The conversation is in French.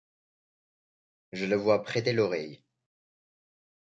Je le vois prêter l’oreille.